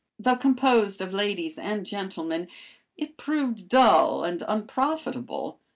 Though composed of ladies and gentlemen it proved dull and unprofitable.